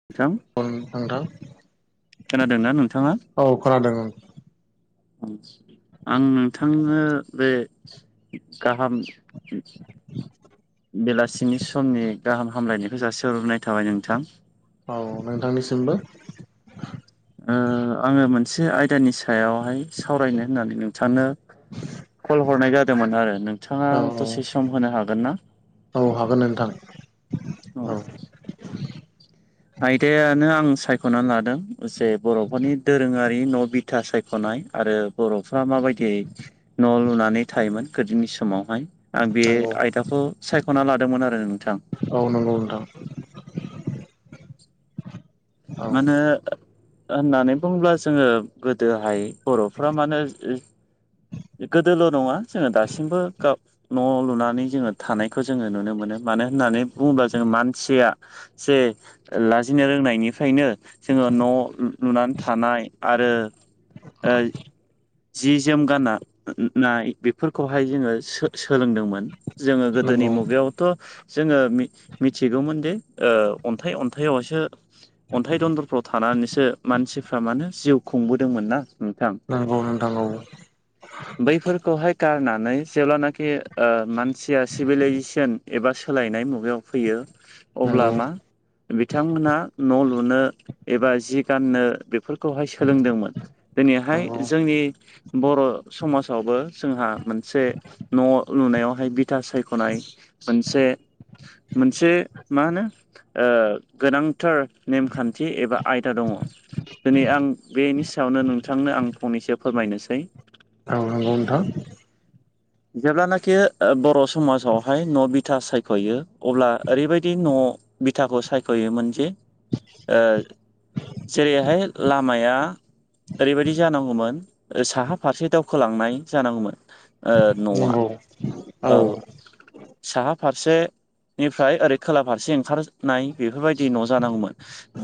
[unintelligible] [unintelligible] खोनादोंना नोंथाङा औ खोनादों ओं। आं नोंथांनो बे गाहाम बेलासिनि समनि गाहाम हामलायनायखौ जासिहरग्रोनाय थाबाय नोंथां। औ नोंथांनिसिमबो। ओम आङो मोनसे आयदानि सा सायावहाय सावरायनो होननानै नोंथांनो कल हरनाय जादोंमोन आरो नों थाङा औ दसे सम होनो हागोन ना। औ हागोन नोंथां। अ औ आयदायानो आं सायख'नानै लादों जे बर'फोरनि दोरोङारि न' बि था सायख'नाय आरो बर'फ्रा माबायदियै न' लुनानै थायोमोन गोदोनि समावहाय आं बे नंगौ आयदाखौ सायख'ना लादोंमोन आरो नोंथां। ओ नंगौ नोंथां। औ मानो होननानै बुङोब्ला जोङो गोदोहाय बर'फ्रा मानो ओ गोदोल' नङा जोङो दासिमबो गाव न' लुनानै जोङो थानायखौ जोङो नुनो मोनो मानो होननानै बुङोब्ला जोङो मानसिया जे लाजिनो रोंनायनिफ्रायनो जोङो न' लुनानै थानाय आरो ओ जि जोम गाननाय बेफोरखौहाय जोङो सो-सोलोंदोंमोन। जोङो गोदोनि नंगौ मुगायावथ' जोङो मि-मिथिगौमोन दि ओ अन्थाइ अन्थाइावसो अन्थाइ दन्दरफ्राव थानानैसो मानसिफ्रा मानो जिउ खुंबोदोंमोन ना नोंथां। नंगौ नोंथांगौ औ बैफोरखौहाय गारनानै जेब्लानाखि ओ मानसिया सिभिलाइजेसन एबा सोलायनाय मुगायाव फैयो अब्ला नंगौ नंगौ मा बिथांमोनहा न' लुनो एबा जि गाननो बेफोर खौहाय सोलोंदोंमोन दिनैहाय औ जोंनि बर' समाजावबो जोंहा मोनसे न' लुनायावहाय बिथ था सायख'नाय मोनसे-मोनसे मा होनो गोनांथार नेमखान्थि एबा आयदा दङ। दिनै आं बेनि सायावनो नोंथांनो आं फंनैसो फोरमायनोसै। औ नंगौ नोंथां जेब्लानाखि बर' समाजावहाय न' बि बिथा सायख'यो अब्ला ओरैबायदि न' बिथाखौ सायख'योमोन जे ओ जेरैहाय लामाया ओरैबायाददि जानांगौमोन साहा फारसे दावखोलांनाय जानांगौमोन। ओ न'आ नंगौ औ साहा फारसेनिफ्राय ओरै खोला फारसे ओंखार नाय बेफोरबायदि न' जानांगौमोन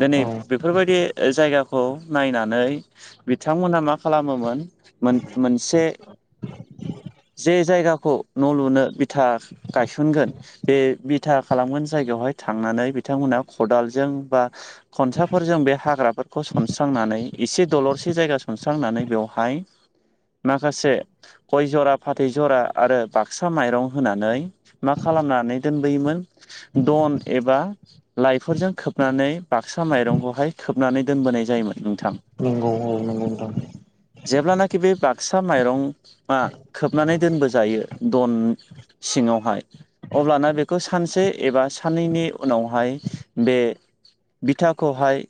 दिनै औ बे फोरबायदि जायगाखौ नायनानै बिथांमोना मा खालामोमोन मोन-मोनसे [inaudible] जे जायगाखौ न' लुनो बिथा गायसनगोन बे बिथा खालामगोन जायगायावहाय थांनानै बिथांमोनहा खदालजों बा खनसाफोरजों बे हाग्राफोरखौ सनस्रांनानै एसे दलर सेजायगा सनस्रांनानै बेहाय माखासे गय जरा फाथै जरा आरो बाक्सा माइरं होनानै मा खालामनानै दोनबोयोमोन दन एबा लाइफोरजों खोबनानै बाक्सा माइरंखौहाय खोबनानै दोनबोनाय जायोमोन। नोंथां नोंगौ औ नोंगौ नोंथां जेब्लानाखि बे बाक्सा माइरं‌ आ खोबनानै दोनबो जायो दन सिङावहाय अब्लाना बेखौ सानसे एबा साननैनि उनावहाय बे बिथाखौहाय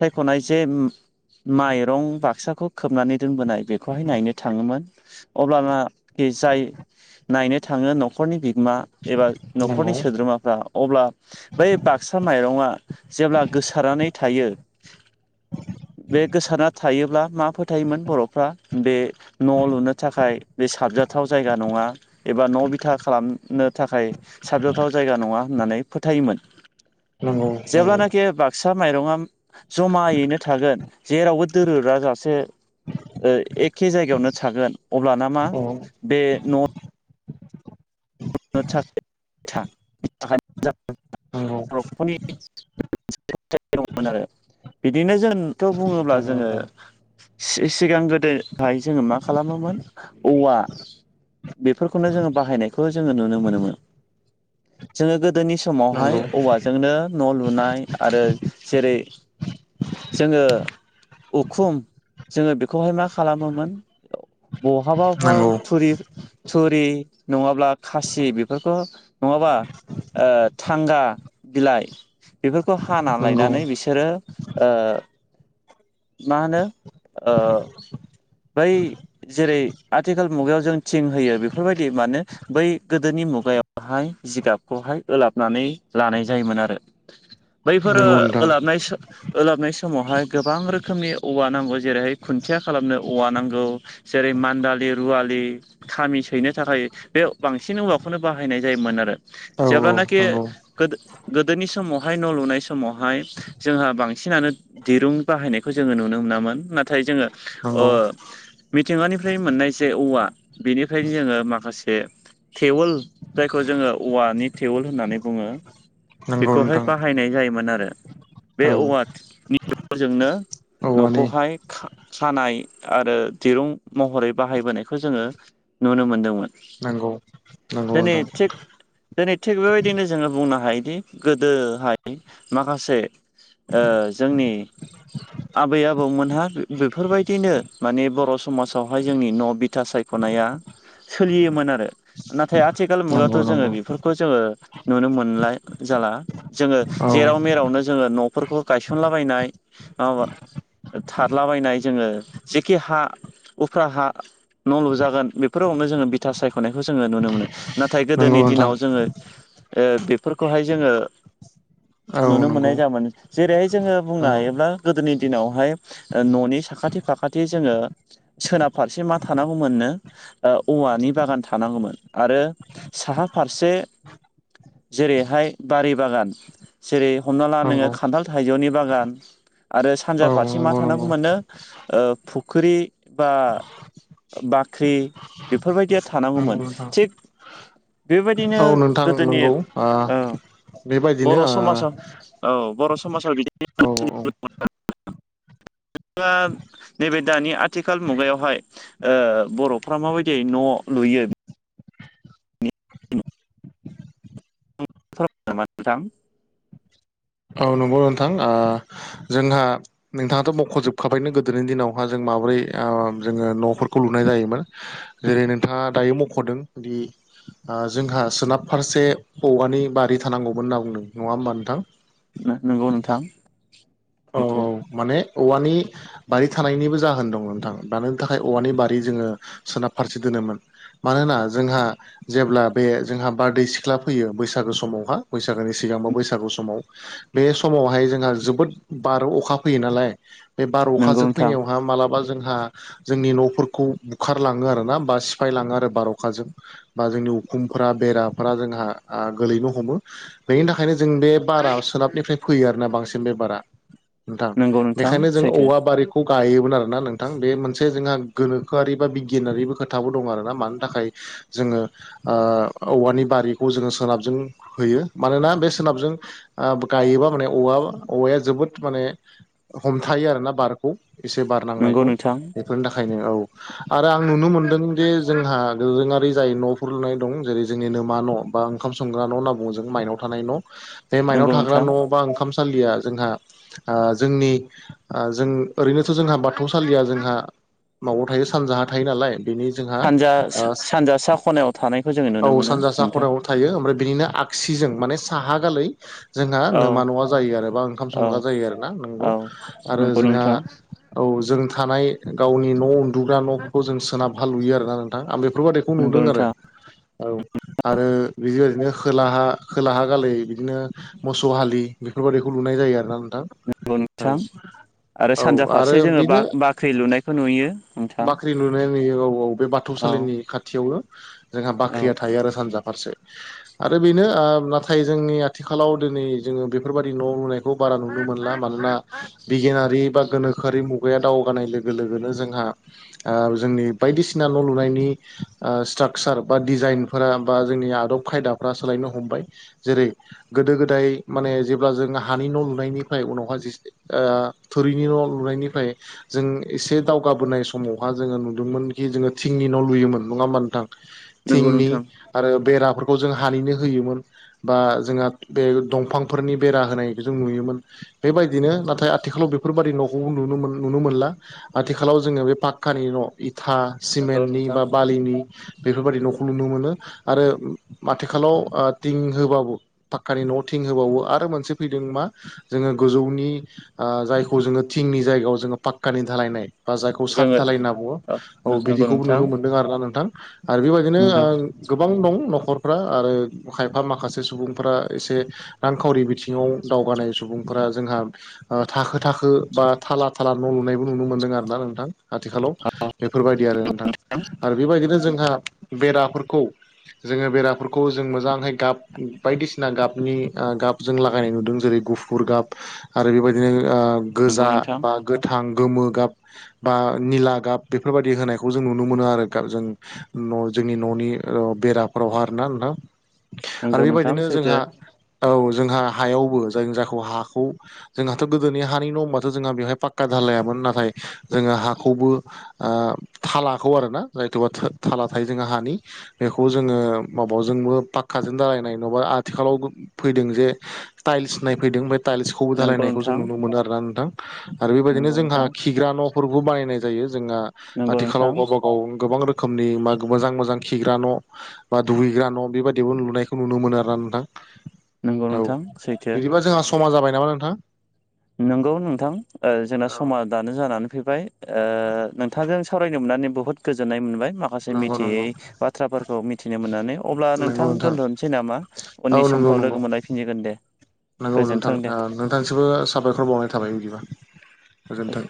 सायख'नाय जे माइरं बाक्साखौ खोबनानै दोनबोनाय बेखौहाय नायनो थाङोमोन। अब्लानाखि जाय नायनो थाङो न'खरनि बिगोमा एबा नंगौ न'खरनि सोद्रोमाफ्रा अब्ला बै बाक्सा माइरंआ जेब्ला गोसारनानै थायो बे गोसारा थायोब्ला मा फोथायोमोन बर'फ्रा बे न' लुनो थाखाय बे साबजाथाव जायगा नङा एबा न' बिथा खालामनो थाखाय साबजाथाव जायगा नङा होननानै फोथायोमोन। नंगौ नंगौ जेब्लानाखि बाक्सा माइरङा जमायैनो थागोन जेरावबो दोरोदाजासे ओ एखे जायगायावनो थागोन अब्लाना मा औ बे न' न' लुनो थाखाय बिथा नंगौ [unintelligible] बरफोरनि [unintelligible] [unintelligible] दंमोन आरो बिदिनो जोंथ' बुङोब्ला नंगौ जोङो नोंथां सि-सिगां गोदोहाय जोङो मा खालामोमोन औवा बेफोरखौनो जोङो बाहायनायखौ जोंङो नुनो मोनोमोन। जों गोदोनि नंगौ समावहाय औवाजों जोंनो न' लुनाय आरो जेरै जोङो उखुम जोङो बेखौहाय मा खालामोमोन बहाबा बहा थुरि- थुरि नङाब्ला खासि बेफोरखौ नङाबा ओ थांगा बिलाइ बेफोरखौ हाना नंगौ नंगौ लायनानै बिसोरो ओ मा होनो ओ बै जेरै आथिखाल मुगायाव जों थिं होयो बेफोरबायदि मानो बै गोदोनि मुगायावहाय जिगाबखौहाय ओलाबनानै लानाय जायोमोन आरो। बैफोरो नंगौ नोंथां ओलाबनाय ओलाबनाय समावहाय गोबां रोखोमनि औवा नांगौ जेरैहाय खुन्थिया खालामनो औवा नांगौ। जेरै मान्दालि रुवालि खामि सैनो थाखाय बे बांसिन औवाखौनो बाहायनाय जायोमोन आरो। औ औ जेब्लानाखि नंगौ गोदो-गोदोनि समावहाय न' लुनाय समावहाय जोंहा बांसिनानो दिरुं बाहायनायखौ जोङो नुनो मोनामोन। नाथाय जोङो ओ नंगौ मिथिंगानिफ्राय मोननाय जे औवा बेनिफ्रायनो जोङो माखासे थेवल जायखौ जोङो औवानि थेवल होननानै बुङो। नंगौ बेखौहाय नोंथां बाहायनाय जायोमोन आरो। बे औ औवानि [unintelligible] औवानि न'खौहाय खा-खानाय आरो दिरुं महरै बाहायबोनायखौ जोङो नुनो मोनदोंमोन। नंगौ। नंगौ दिनै नोंथां थिग दिनै थिग बेबायदिनो जोङो बुंनो हायोदि गोदोहाय माखासे ओ जोंनि आबै आबौमोनहा बेफोरबायदिनो माने बर' समाजावहाय जोंनि न' बिथा [unintelligible] [unintelligible] सोलियोमोन आरो। नाथाय आथिखाल नंगौ मुगायावथ' जोङो नंगौ बेफोरखौ जोङो नुनो मोनला जाला। जोङो औ जेराव - मेरावनो जोङो न'फोरखौ गायसनलाबायनाय माबा थारलाबायनाय जोङो जेखि हा उफ्रा हा न' लुजागोन बेफोरावनो जोङो बिथा सायख'नायखौ जों नुनो मोनो नाथाय नंगौ गोदोनि नोंथां दिनाव जोङो बेफोरखौहाय जोङो औ नुनो मोननाय नंगौ जायोमोन जेरैहाय जोङो बुंनो नंगौ हायोब्ला गोदोनि दिनावहाय न'नि साखाथि- फाखाथि जोङो सोनाब फारसे मा थानांगौ मोननो औवानि बागान थानांगौमोन आरो साहा फारसे जेरैहाय बारि बागान जेरै हमना ला नोङो नंगौ खान्थाल, थाइजौनि बागान आरो औ सानजा फारसे मा नंगौ नंगौ थानांगौ मोनो ओ फुख्रि बा बाख्रि बेफोरबायदिया थानांगौमोन। नंगौ नोंथां थिग बेबायदिनो औ नोंथां गोदोनि नंगौ ओ बेबायदिनो बर' समाजाव औ बर' समाजाव ओ औ [unintelligible] [unintelligible] नैबे दानि आथिखाल मुगायावहाय ओ बर'फ्रा माबायदि न' लुयो औ। [unintelligible] नोंथां। औ नंगौ नोंथां। ओ जोंहा नोंथाङाथ' मख'जोबखाबायनो गोदोनि दिनावहा जों माबोरै ओ जोङो न'फोरखौ लुनाय जायोमोन। जेरै नोंथाङा दायो मख'दों दि ओ जोंहा सोनाब फारसे हौवानि बारि थानांगौमोन होनना बुंदों नङा ओमबा नोंथां नंगौ नोंथां औ सैथो औ माने औवानि बारि थानायनिबो जाहोन दं नोंथां दानि थाखाय औवानि बारि जोङो सोनाब फारसे दोनोमोन मानोना जोंहा जेब्ला बे जोंहा बारदै सिख्ला फैयो बैसागो समावहा बैसागोनि [unintelligible] बा बैसागु समाव बे समावहाय जोंहा जोबोद बार' अखा फैयो नालाय बे बार, नंगौ अखाजो नोंथां फैनायावहा मालाबा जोंहा जोंनि न'फोरखौ बुखारलाङो आरोना बा सिफाय लाङो आरो बार, अखाजों। बा जोंनि उखुमफोरा बेराफोरा जोंहा गोलैनो हमो। बेनि थाखायनो जों बे बारा सोनाबनिफ्राय फैयो आरोना बांसिन बे बारा। नोंथां नंगौ नोंथां बेनिखायनो जों सैथो औवा बारिखौ [unintelligible] गायोमोन आरोना नोंथां। बे मोनसे जोंहा गोनोखोआरि बा बिगियानारिबो खोथाबो दं आरोना मानि थाखाय जोङो ओ औवानि बारिखौ जोङो सोनाबजों होयो मानोना बे सोनाबजों ओ गायोबा माने औवा औवाया जोबोद माने हमथायो आरोना बारखौ एसे बार नंगौ नांनायखौ नोंथां बेफोरनि थाखायनो औ आरो आं नुनो मोनदों दे जोंहा दोरोङारि जाय न'फोर लुनाय दं जेरै जोंनिनो नोमा न' बा ओंखाम संग्रा न' होनना बुंङो जों माइनाव थानाय न' बे माइनाव नंगौ थाग्रा नोंथां न' बा ओंखाम सालिया जोंहा ओ जोंनि ओ जों ओरैनोथ जोंहा बाथौसालिया जोंहा माबायाव थायो सानजाहा थायो नालाय बेनि जोंहा सानजा सानजा सा खनायाव थानायखौ जोङो औ नुनो मोनो सानजा सा नोंथां खनायाव थायो ओमफ्राय बेनिनो आगसिजों साहा गालै जोंहा औ नोमा नवा जायो आरो बा ओंखा म औ संग्रा जायो आरोना नोंगौ औ आरो नंगौ जोंहा नोंथां औ जों थानाय गावनि न' उन्दुग्रा नफोरखौ जों सोनाबहा लुयो आरोना नोंथां आं बेफोरबायदि खौ नंगौ नुदों नोंथां आरो औ आरो बिदि ओरैनो खोलाहा खोलाहा गालै बिदिनो मोसौ हालि बेफोर बादिखौ लुनाय जायो आरोना नोंथां नंगौ औ नोंथां आरो औ सानजा आरो फारसे जोङो बा बेनो बाख्रि लुनायखौ नुयो नोंथां बाख्रि लुनाय नुयो औ औ बे औ बाथौसालिनि खाथियावनो जोंहा औ बाख्रिया थायो आरो सानजा फारसे आरो बेनो ओ नाथाय जोंनि आथिखालाव दिनै जोंङो बेफोरबायदि न' लुनाय खौ बारा नुनो मोनला मानोना बिगियानारि बा गोनोखोआरि मुं बे दावगानाय लोगो लोगोनो जोंहा जोंनि ओ बायदिसिना न' लुनायनि ओ स्ट्राकसार बा डिजाइनफोरा बा जोंनि आदब खायदाफ्रा सोलायनो हमबाय जेरै गोदो गोदाय माने जेब्ला जों हानि नन' लुनायनिफ्राय उनावहाय जेसे थोरिनि न' लुनायनिफ्राय जों एसे दावगाबोनाय समावहा जोंङो नुदों मोनखि जोंङो थिंनि न' लुयोमोन नंङा ओमबा नोंथां नंगौ थिंनि नोंथां आरो बेराफोरखौ जों हानिनो होयोमोन बा जोंहा बे दंफां फोरनि बेरा होनाय जों नुयोमोन बेबायदिनो नाथाय आथिखालाव बे फोरबायादि नखौबो नुनो नुनो मोनला आथिखालाव जोंङो बे पाक्कानि न' इथा नंगौ सिमेन्टनि नोंथां बा बालिनि बेफोरबायदि नखौ नुनो मोनो आरो आथिखालाव थिं होबाबो पाक्कानि न' थिं होबावो आरो मोनसे फैदों मा जोंङो गोजौनि ओ जायखौ जोंङो थिंनि जायगायाव जोंङो पाक्कानि धालायनाय बा जायखौ साद जोङो दालाय होनना बुंङो औ नंगौ बिदिखौबो नोंथां नुनो मोनदों आरोना नोंथां आरो बेबायदिनो नंगौ ओं गोबां दं नखरफ्रा आरो खायफा माखासे सुबुंफोरा एसे रांखावरि बिथिं सिङाव दावगानाय सुबुं फोरा जोंहा थाखो थाखो बा थाला थाला न' लुनायबो नुनो मोनदों आरोना नोंथां आथिखालाव बेफोरबायदि आरो नोंथां आरो बेबायदिनो जोंहा बेराफोरखौ जोंङो बेराफोरखौ जों मोजांहाय गाब बायदिस जों लागायनाय नुदों जेरै गुफुर गाब आरो बेबायदिनो आ नंगौ गोजा नोंथां बा गोथां गोमो गाब बा निला गाब बेफोरबायदि होनायखौ जों नुनो मोनो आरो गा जों न जोंनि ननि ओ बेराफोरावहा आरो ना नोंथां आरो नंगौ नोंथां बेबायदिनो सैथो जोंहा औ जोंहा हायावबो जायनि जायखौ हाखौ जोंहाथ गोदोनि हानि न होनबाथ जोंहा बेवहाय पाक्का धालायामोन नाथाय जोंङो हाखौबो आं थालाखौ आरो ना जायथबा थाला थायो जोंहा हानि बेखौ जोंङो माबाजोंबो पाखक्काउजों दालायनाय नंङाबा आथिखालाव फैदों जे टाइल्स होनायफैदों बे टाल्सखौबो नंगौ धालायनायखौ जों नोंथां नुनो मोनो आरोना नोंथां आरो बेबायदिनो नंगौ जोंहा नोंथां खिग्रा नफोरबो बानायनाय जायो जोंहा नंगौ आथिखालाव नोंथां गावबा गाव व गोबां रोखोमनि मा मोजां मोजां खिग्रा न' बा दुगैग्रा न' बेबायदियावबो नुनायखौ नुनो मोनो आरोना नोंथां नंगौ औ नोंथां सैथो बिदिबा जोंहा समा जाबाय नामा नोंथां नंगौ नोंथां ओ जोंना औ समा दानो जानानै फैबाय ओ नोंथांजों सावरायनो मोननानै बुहुद गोजोननाय मोनबाय मा माखासे नंगौ मिथियै नंगौ बाथ्राफोरखौ मिथिनो मोननानै अब्ला नोंथां दोनथ नोसै नामा? उननि समफ्राव लोगो मोनलायफिनजगोन दे नोंगौ नोंथां गोजोन्थों दे आ नोंथांसिमबो साबायखर बावनाय थाबाय बिदिबा गोजोनथों